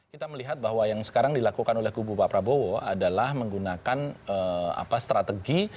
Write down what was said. kita melihat bahwa yang sekarang dilakukan oleh kubu pak prabowo adalah menggunakan strategi